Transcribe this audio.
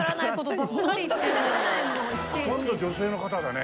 ほとんど女性の方だね。